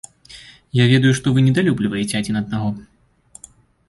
Я ведаю, што вы недалюбліваеце адзін аднаго.